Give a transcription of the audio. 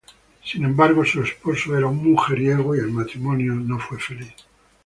Sin embargo, su esposo era un mujeriego y el matrimonio no fue feliz.